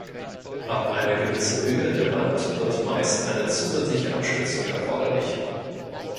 Ab einer gewissen Höhe der Wand wird meist eine zusätzliche Abstützung erforderlich.